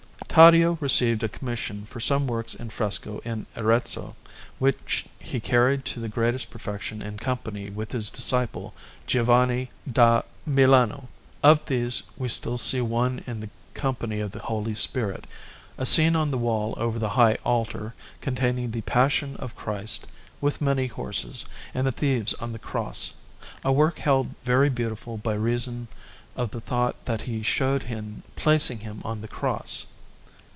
Taddeo received a commission for some works in fresco in Arezzo, which he carried to the greatest perfection in company with his disciple Giovanni da Milano. Of these we still see one in the Company of the Holy Spirit, a scene on the wall over the high altar, containing the Passion of Christ, with many horses, and the Thieves on the Cross, a work held very beautiful by reason of the thought that he showed in placing Him on the Cross.